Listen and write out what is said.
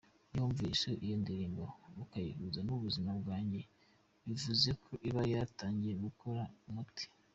Iyo wumvise iyo ndirimbo ukayihuza n’ubuzima bwanjye bivuze ko iba yatangiye gukora umuti.